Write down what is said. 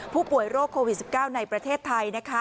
ผู้ป่วยโรคโควิด๑๙ในประเทศไทยนะคะ